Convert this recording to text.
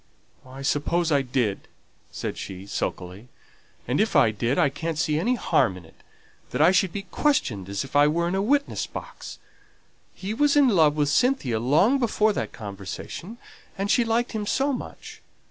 "I suppose I did," said she, sulkily. "And if I did, I can't see any harm in it, that I should be questioned as if I were in a witness box. He was in love with Cynthia long before that conversation, and she liked him so much.